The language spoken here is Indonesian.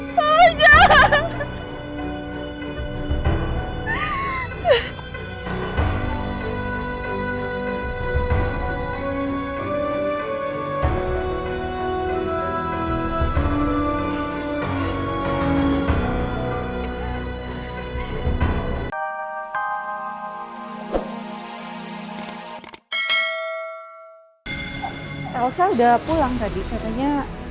elsa udah pulang tadi katanya kurang enak badan ya